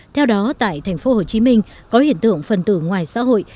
theo đó tại tp hcm có hiện tượng phần tử ngoài xã hội